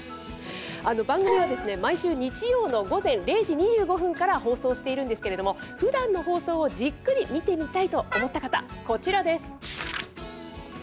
番組は毎週日曜の午前０時２５分から放送しているんですけれどもふだんの放送をじっくり見てみたいと思った方こちらです。